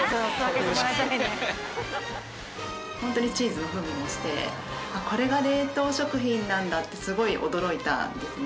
ホントにチーズの風味もして「これが冷凍食品なんだ！？」ってすごい驚いたんですね。